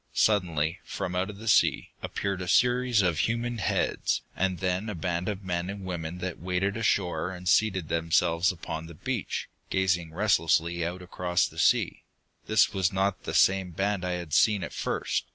Suddenly, from out of the sea, appeared a series of human heads, and then a band of men and women that waded ashore and seated themselves upon the beach, gazing restlessly out across the sea. This was not the same band I had seen at first.